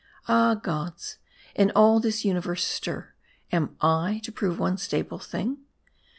Ah gods ! in all this universal stir, am J to prove one stable thing